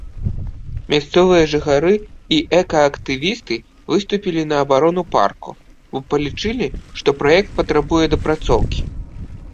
Мясцовыя жыхары і экаактывісты выступілі на абарону парку, бо палічылі, што праект патрабуе дапрацоўкі.